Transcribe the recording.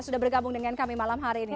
sudah bergabung dengan kami malam hari ini